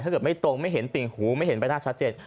ถ้าเกิดไม่ตรงไม่เห็นติ่งหูไม่เห็นใบหน้าชัดเจน